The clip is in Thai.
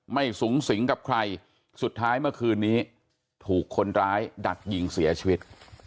ไม่สูงสิงกับใครสุดท้ายเมื่อคืนนี้ถูกคนร้ายดักยิงเสียชีวิต